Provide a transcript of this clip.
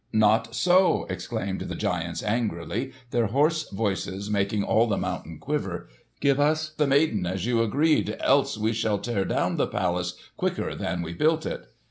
"Not so!" exclaimed the giants angrily, their hoarse voices making all the mountain quiver. "Give us the maiden, as you agreed, else we shall tear down the palace quicker than we built it."